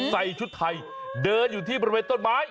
ใส่ชุดไทยเดินอยู่ที่บริเวณต้นไม้